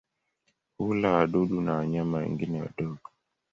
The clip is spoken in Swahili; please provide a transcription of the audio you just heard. Hula wadudu na wanyama wengine wadogo.